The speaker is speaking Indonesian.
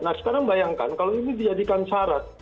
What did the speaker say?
nah sekarang bayangkan kalau ini dijadikan syarat